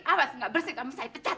awas nggak bersih kamu saya pecat